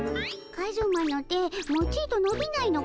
カズマの手もちとのびないのかの。